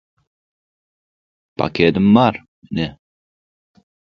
– Pakedim bar, ine.